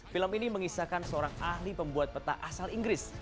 film ini mengisahkan seorang ahli pembuat peta asal inggris